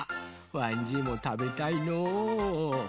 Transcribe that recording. わんじいもたべたいの。